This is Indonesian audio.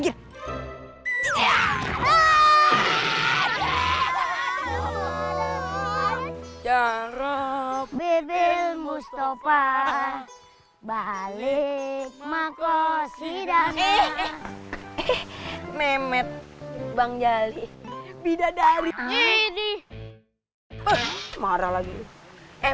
caro bebel mustafa balik makos hidang eh eh meh mbak jali bidadari ini marah lagi eh